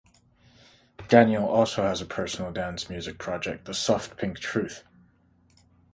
Daniel also has a personal dance music project, The Soft Pink Truth.